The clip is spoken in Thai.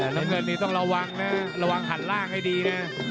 น้ำเงินนี่ต้องระวังนะระวังหันล่างให้ดีนะ